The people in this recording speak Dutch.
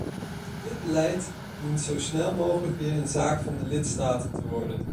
Dit beleid dient zo snel mogelijk weer een zaak van de lidstaten te worden.